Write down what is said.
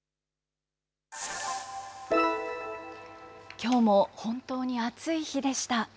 きょうも本当に暑い日でした。